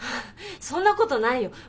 そんなことないよ。